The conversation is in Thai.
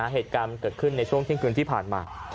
เหตุการณ์เกิดขึ้นในช่วงเที่ยงคืนที่ผ่านมา